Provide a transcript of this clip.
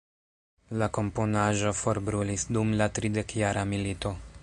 La komponaĵo forbrulis dum la Tridekjara Milito.